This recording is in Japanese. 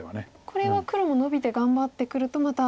これは黒もノビて頑張ってくるとまた。